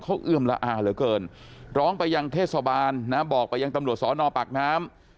เขาเอือมละอาเหลือเกินร้องไปยังเทศบาลนะบอกไปยังตำรวจสอนอปากน้ำ